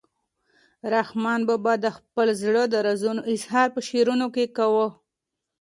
رحمان بابا د خپل زړه د رازونو اظهار په شعرونو کې کاوه.